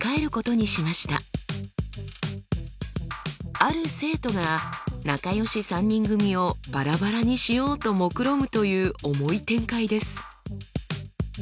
ある生徒が仲良し３人組をバラバラにしようともくろむという重い展開です。